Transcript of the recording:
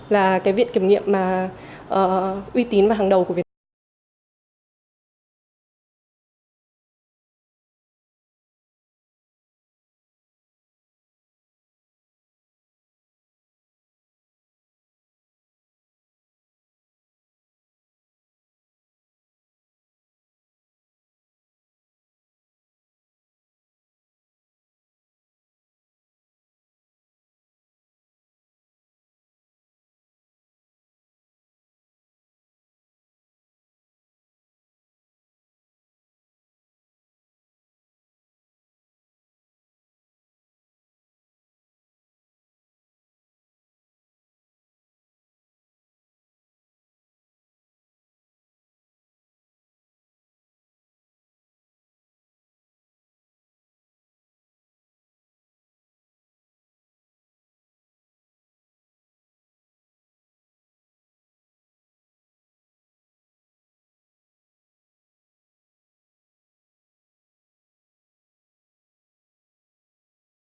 là cái viện kiểm nghiệm mà uy tín và hàng đầu của việt nam